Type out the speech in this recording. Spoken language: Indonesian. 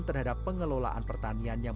terhadap pengelolaan pertanian yang